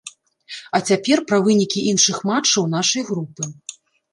А цяпер пра вынікі іншых матчаў нашай групы.